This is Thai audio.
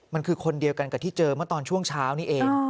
มันคือคนเดียวกันกับที่เจอเมื่อตอนช่วงเช้านี้เอง